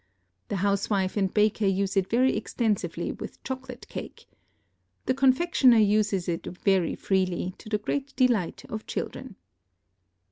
The housewife and baker use it very extensively with chocolate cake. The confectioner uses it very freely, to the great delight of children.